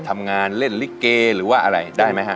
ทำงานเล่นลิเกหรือว่าอะไรได้ไหมฮะ